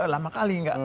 lama kali enggak